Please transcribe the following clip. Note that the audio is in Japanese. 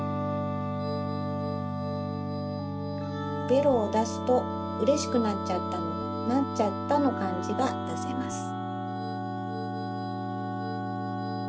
ベロをだすと「うれしくなっちゃった」の「なっちゃった」のかんじがだせます。